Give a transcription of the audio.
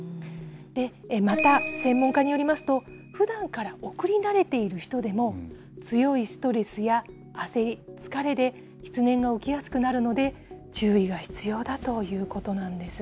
また、専門家によりますと、ふだんから送り慣れている人でも、強いストレスや焦り、疲れで、失念が起きやすくなるので、注意が必要だということなんですね。